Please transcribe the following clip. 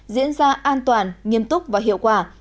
diễn ra an toàn nghiêm túc và hiệu quả